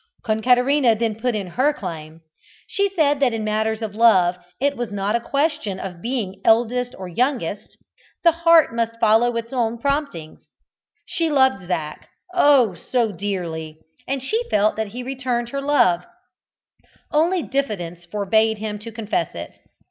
Concaterina then put in her claim. She said that in matters of love it was not a question of being eldest or youngest, the heart must follow its own promptings. She loved Zac oh, so dearly! and she felt that he returned her love, only diffidence forbade him to confess it.